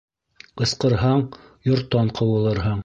Ҡысҡырһаң, йорттан ҡыуылырһың.